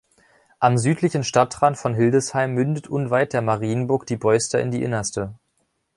Am südlichen Stadtrand von Hildesheim mündet unweit der Marienburg die Beuster in die Innerste.